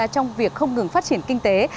trong việc không ngừng phát triển kinh tế